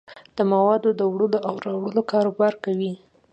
د موادو دوړلو او راوړلو کاروبار کوي.